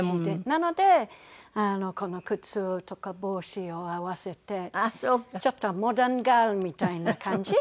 なのでこの靴とか帽子を合わせてちょっとモダンガールみたいな感じのスタイルに。